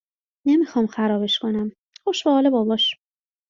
نمیخوام خرابش کنم. خوش به حال باباش